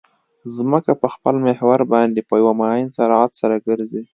ځمکه په خپل محور باندې په یو معین سرعت سره ګرځي